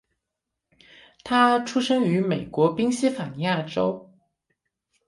他出生于美国宾夕法尼亚州。